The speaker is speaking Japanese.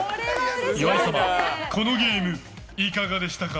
岩井様、このゲームいかがでしたか？